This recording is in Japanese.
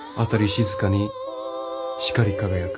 静かに光り輝く」。